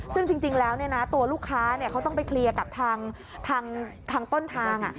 ซึ่งจริงแล้วตัวลูกค้าเขาต้องไปเคลียร์กับทางต้นทาง